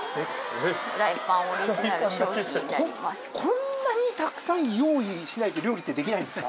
こんなにたくさん用意しないと料理ってできないんですか？